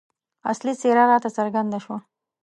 اصلي څېره راته څرګنده شوه.